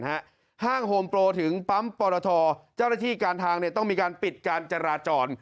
ห้างโฮมโปรถึงปั๊มปรทเจ้าหน้าที่การทางต้องมีการปิดการจราจร